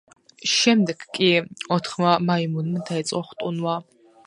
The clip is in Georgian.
შემდეგ, კიდევ ოთხმა მაიმუნმა დაიწყო ხტუნვა.